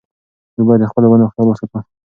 موږ باید د خپلو ونو خیال وساتو.